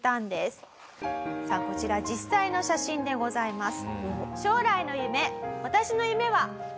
さあこちら実際の写真でございます。